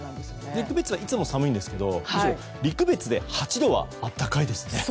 陸別はいつも寒いんですけど陸別で８度は暖かいですね。